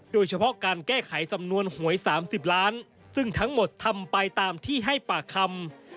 โดยเฉพาะการแก้ไขสำนวนหวย๓๐ล้านซึ่งทั้งหมดทำไปตามที่ให้ปากคำ